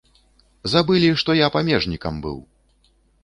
Забылі, што я памежнікам быў!